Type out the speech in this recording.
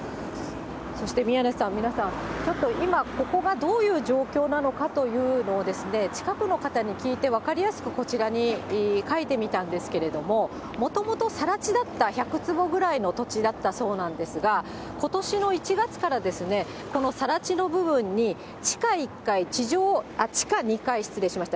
そして宮根さん、皆さん、ちょっと今、ここがどういう状況なのかというのを、近くの方に聞いて、分かりやすくこちらに描いてみたんですけれども、もともとさら地だった１００坪ぐらいの土地だったそうなんですが、ことしの１月から、このさら地の部分に、地下１階、地下２階、失礼しました。